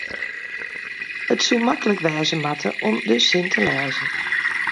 it soe maklik wêze moatte om de sin te lêzen